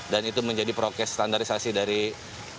dan itu menjadi prokes standarisasi dari kebun raya bogor